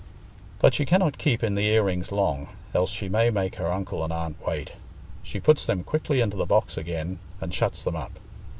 But she cannot keep in the ear rings long, else she may make her uncle and aunt wait. She puts them quickly into the box again and shuts them up.